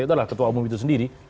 itu adalah ketua umum itu sendiri